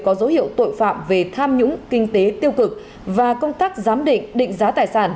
có dấu hiệu tội phạm về tham nhũng kinh tế tiêu cực và công tác giám định định giá tài sản